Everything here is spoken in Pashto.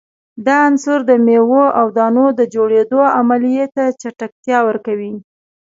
دا عنصر د میو او دانو د جوړیدو عملیې ته چټکتیا ورکوي.